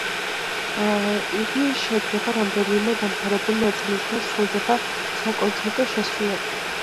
იგი შედგება რამდენიმე დამთავრებული ნაწარმოებისაგან, სრულდება საკონცერტო შესრულებით.